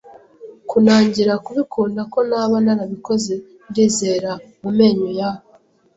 kunangira kubikunda ko naba narabikoze, ndizera, mumenyo ya